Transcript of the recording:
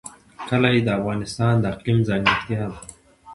کلي د افغانستان د اقلیم ځانګړتیا ده.